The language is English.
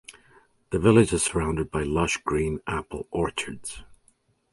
The Village is surrounded by lush green Apple orchards.